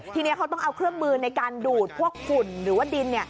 ทีนี้เขาต้องเอาเครื่องมือในการดูดพวกฝุ่นหรือว่าดิน